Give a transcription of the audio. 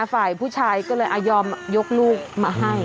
ฝ่ายผู้ชายก็เลยยอมยกลูกมาให้